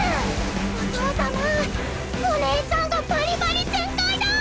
お父様お姉ちゃんがバリバリ全開だ！